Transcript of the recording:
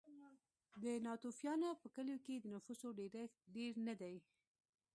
د ناتوفیانو په کلیو کې د نفوسو ډېرښت ډېر نه دی.